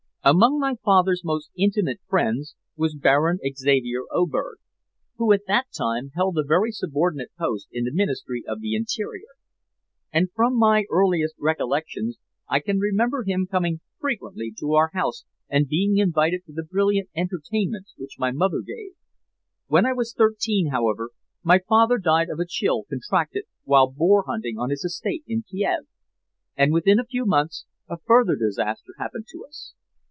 "Among my father's most intimate friends was Baron Xavier Oberg who, at that time, held a very subordinate position in the Ministry of the Interior and from my earliest recollections I can remember him coming frequently to our house and being invited to the brilliant entertainments which my mother gave. When I was thirteen, however, my father died of a chill contracted while boar hunting on his estate in Kiev, and within a few months a further disaster happened to us.